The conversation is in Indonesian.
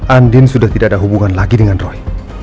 andin sudah tidak ada hubungan lagi dengan roy